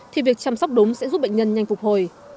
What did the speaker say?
thì việc chăm sóc đúng sẽ giúp bệnh nhân nhanh phục hồi